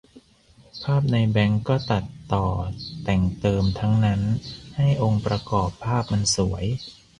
ภาพในแบงค์ก็ตัดต่อแต่งเติมทั้งนั้นให้องค์ประกอบภาพมันสวย